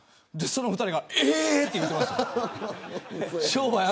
その２人がえーっと言っていました。